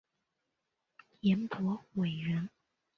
颜伯玮人。